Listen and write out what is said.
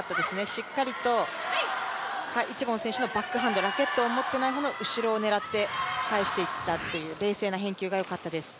しっかりと賈一凡選手のバックハンドラケットを持ってない方の後ろに返していったという冷静な返球がよかったです。